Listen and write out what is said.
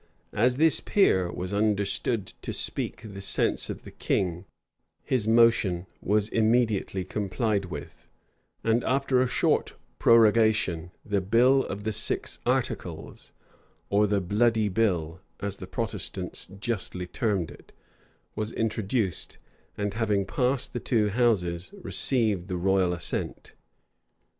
As this peer was understood to speak the sense of the king, his motion was immediately complied with; and, after a short prorogation, the bill of the "six articles," or the bloody bill, as the Protestants justly termed it, was introduced, and having passed the two houses, received the royal assent.